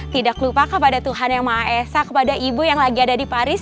tidak lupa kepada tuhan yang maha esa kepada ibu yang lagi ada di paris